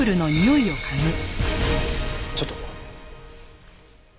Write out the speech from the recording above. ちょっと。